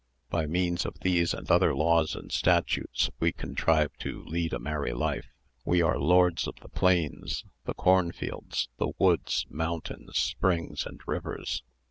By means of these and other laws and statutes we contrive to lead a merry life. We are lords of the plains, the corn fields, the woods, mountains, springs, and rivers.